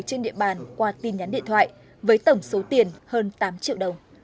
trên địa bàn qua tin nhắn điện thoại với tổng số tiền hơn tám triệu đồng